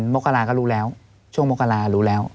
มกราก็รู้แล้วช่วงมกรารู้แล้ว